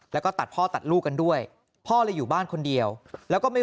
แล้วก็ตัดพ่อตัดลูกกันด้วยพ่อเลยอยู่บ้านคนเดียวแล้วก็ไม่